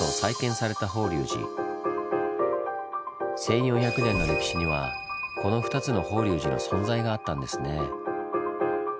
１４００年の歴史にはこの２つの法隆寺の存在があったんですね。